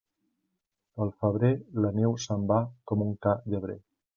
Pel febrer, la neu se'n va com un ca llebrer.